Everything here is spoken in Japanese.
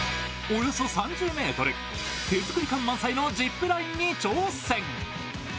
およそ３０ｍ、手作り感満載のジップラインに挑戦。